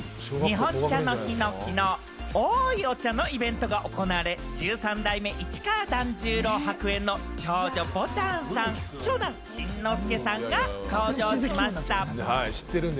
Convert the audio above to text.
「日本茶の日」のきのう、「おいお茶」のイベントが行われ、十三代目市川團十郎白猿の長女・ぼたんさん、長男・慎之介さんが登場しました。